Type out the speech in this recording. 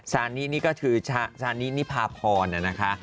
สารนี้นี่ก็คือสารนี้นี่พาพรนะนะคะ